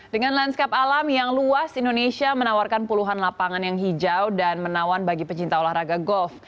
dengan landscape alam yang luas indonesia menawarkan puluhan lapangan yang hijau dan menawan bagi pecinta olahraga golf